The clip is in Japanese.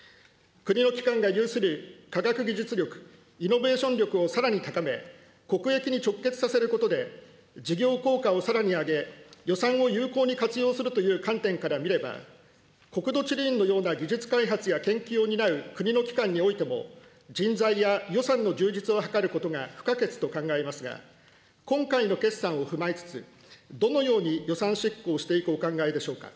国の機関が有する科学技術力・イノベーション力をさらに高め、国益に直結させることで事業効果をさらに上げ、予算を有効に活用するという観点から見れば、国土地理院のような技術開発や研究を担う国の機関においても、人材や予算の充実を図ることが不可欠と考えますが、今回の決算を踏まえつつ、どのように予算執行をしていくお考えでしょうか。